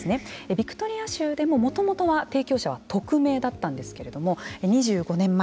ビクトリア州でももともとは提供者は匿名だったんですけれども２５年前。